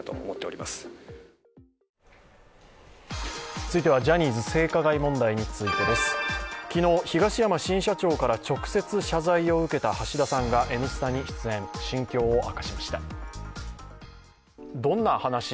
続いてはジャニーズ性加害問題についてです昨日、東山新社長から直接謝罪を受けた橋田さんが「Ｎスタ」に出演、心境を明かしました。